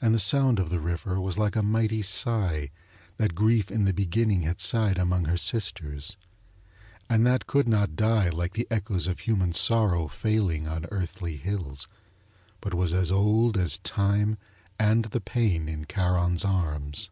And the sound of the river was like a mighty sigh that Grief in the beginning had sighed among her sisters, and that could not die like the echoes of human sorrow failing on earthly hills, but was as old as time and the pain in Charon's arms.